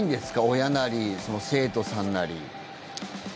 親なり、生徒さんなり。